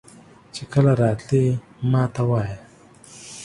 چې کله راتلې ماته وایه.